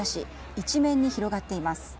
一面に広がっています。